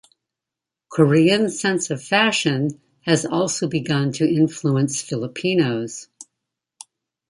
Koreans' sense of fashion has also begun to influence Filipinos.